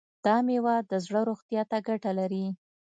دا میوه د زړه روغتیا ته ګټه لري.